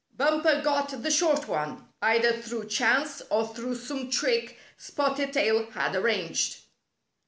Bumper got the short one, either through chance or through some trick Spotted Tail had arranged.